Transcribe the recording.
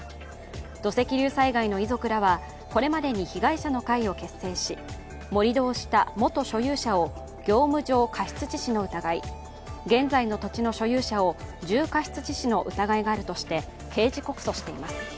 土石流災害の遺族らはこれまでに被害者の会を結成し盛り土をした元所有者を業務上過失致死の疑い現在の土地の所有者を重過失致死の疑いがあるとして刑事告訴しています。